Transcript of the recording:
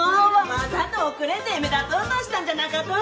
わざと遅れて目立とうとしたんじゃなかと？